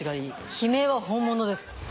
悲鳴は本物です。